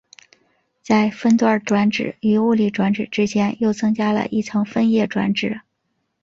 在分段转址与物理地址之间又增加了一层分页转址。